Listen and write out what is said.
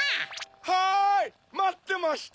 はいまってました！